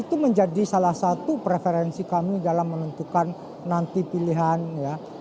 itu menjadi salah satu preferensi kami dalam menentukan nanti pilihan ya